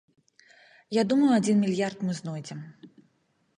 Я думаю, адзін мільярд мы знойдзем.